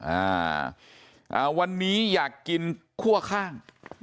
อ่าอ่าวันนี้อยากกินคั่วข้าง